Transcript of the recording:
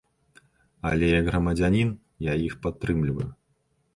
Але як грамадзянін я іх падтрымліваю.